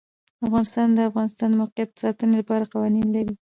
افغانستان د د افغانستان د موقعیت د ساتنې لپاره قوانین لري.